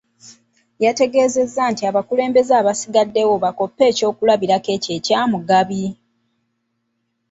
Yategeezezza nti abakulembeze abasigaddewo bakoppe eky'okulabirako ekya Mugabi